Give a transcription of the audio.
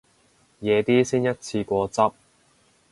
夜啲先一次過執